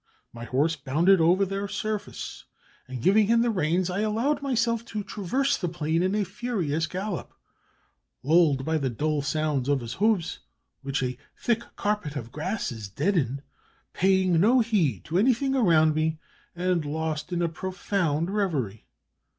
My horse bounded over their surface, and giving him the reins I allowed myself to traverse the plain in a furious gallop, lulled by the dull sound of his hoofs, which a thick carpet of grasses deadened, paying no heed to anything around me, and lost in a profound reverie.